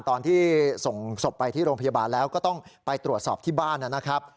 ตอนที่ส่งศพไปที่โรงพยาบาลแล้วก็ต้องไปตรวจสอบที่บ้านนะครับ